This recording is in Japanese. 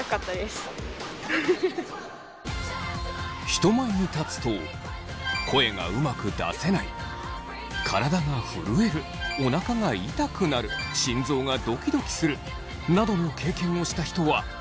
人前に立つと声がうまく出せない体が震えるお腹が痛くなる心臓がドキドキするなどの経験をした人はいませんか？